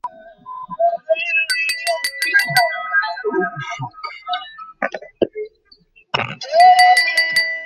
তারপর আসবে মনোনয়নপত্র জমা দেওয়ার দিন, মনোনয়ন বাছাইয়ের দিন, নির্বাচনের দিন।